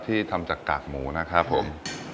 ที่ทำจากกากหมูนะครับผม